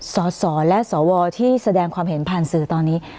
สสและสวที่แสดงความเห็นผ่านสื่อตอนนี้